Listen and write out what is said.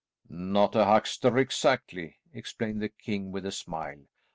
"Not a huckster exactly," explained the king with a smile.